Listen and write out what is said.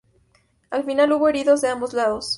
Al final, hubo heridos de ambos lados.